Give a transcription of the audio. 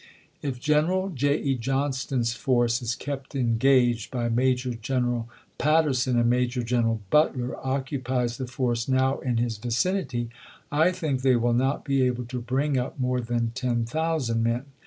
If General J. E. Johnston's force is kept engaged by Major General Patterson, and Major General Butler occu pies the force now in his vicinity, I think they will not be able to bring up more than ten thousand men.